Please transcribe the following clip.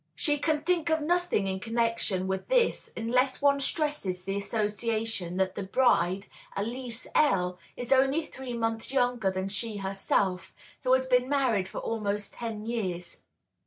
She can think of nothing in connection with this unless one stresses the association that the bride, Elise L., is only three months younger than she herself, who has been married for almost ten years.